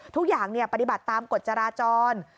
ทุกอย่างปฏิบัติตามกฎจราจร